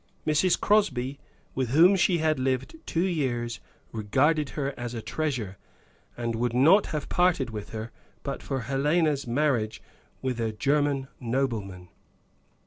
Mrs. Crosby, with whom she had lived two years regarded her as a treasure, and would not have parted with her but for Helena's marriage with a German nobleman.